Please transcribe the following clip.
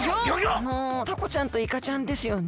あのタコちゃんとイカちゃんですよね。